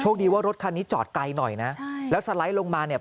ดีว่ารถคันนี้จอดไกลหน่อยนะใช่แล้วสไลด์ลงมาเนี่ย